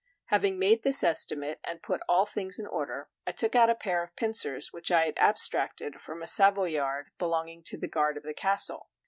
Having made this estimate and put all things in order, I took out a pair of pincers which I had abstracted from a Savoyard belonging to the guard of the castle.